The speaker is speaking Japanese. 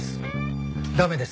駄目です。